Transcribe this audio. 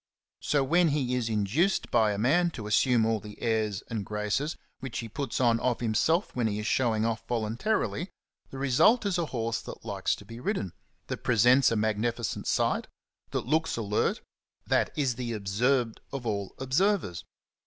So when he is induced by a man to assume all the airs and graces which he puts on of himself when he is showing off voluntarily, the result is a horse that likes to be ridden, that presents a magnificent sight, that looks alert, that is the observed of all observers.